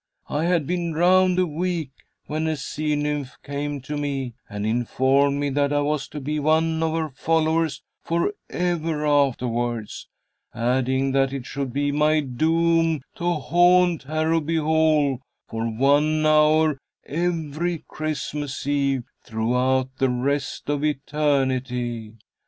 I had been drowned a week when a sea nymph came to me and informed me that I was to be one of her followers forever afterwards, adding that it should be my doom to haunt Harrowby Hall for one hour every Christmas Eve throughout the rest of eternity.